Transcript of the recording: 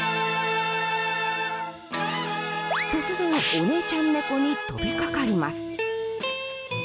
突然、お姉ちゃん猫に跳びかかります。